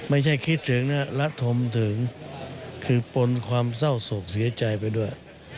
ไม่ใช่คิดถึงนะรัฐมถึงคือปนความเศร้าโศกเสียใจไปด้วย